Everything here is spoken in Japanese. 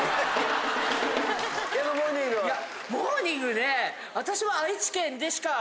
モーニング。